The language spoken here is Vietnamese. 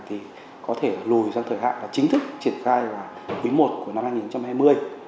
thì có thể lùi sang thời hạn là chính thức triển khai vào quý i của năm hai nghìn hai mươi